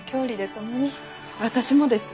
私もです。